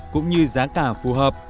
cũng như giá cả phù hợp